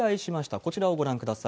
こちらをご覧ください。